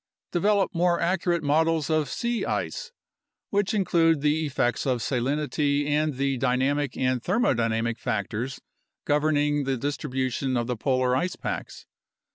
Develop more accurate models of sea ice, which include the effects of salinity and the dynamic and thermodynamic factors governing the distribution of the polar ice packs.